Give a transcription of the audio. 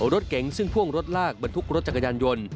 รถเก๋งซึ่งพ่วงรถลากบรรทุกรถจักรยานยนต์